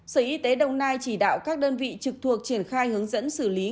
sở y tế đồng nai chỉ đạo các đơn vị trực thuộc triển khai hướng dẫn xử lý